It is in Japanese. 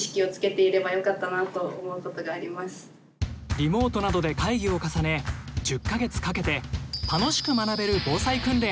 リモートなどで会議を重ね１０か月かけて楽しく学べる防災訓練を考えました。